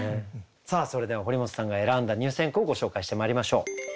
さあそれでは堀本さんが選んだ入選句をご紹介してまいりましょう。